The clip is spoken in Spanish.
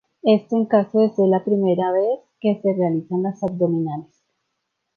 Esto en caso de ser la primera vez que se realizan las abdominales.